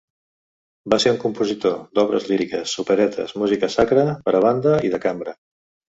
Va ser un compositor d'obres líriques, operetes, música sacra, per a banda i de cambra.